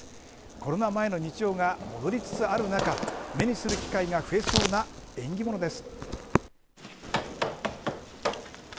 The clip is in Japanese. コロナ前の日常が戻りつつある中目にする機会が増えそうな縁起物です。